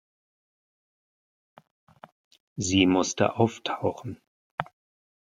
Sie musste auftauchen.